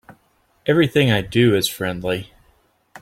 Everything I do is friendly.